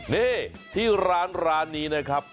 นี่ที่ร้านนี้นะครับ